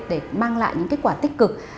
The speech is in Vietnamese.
để mang lại những kết quả tích cực